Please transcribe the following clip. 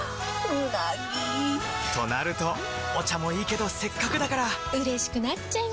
うなぎ！となるとお茶もいいけどせっかくだからうれしくなっちゃいますか！